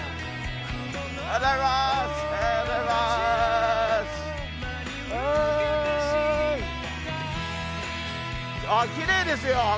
あっきれいですよ